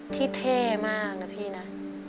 ที่เท่มากนะพี่นะ